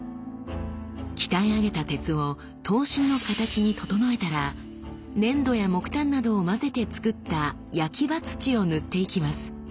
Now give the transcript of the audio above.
鍛え上げた鉄を刀身の形に整えたら粘土や木炭などを混ぜてつくった焼刃土を塗っていきます。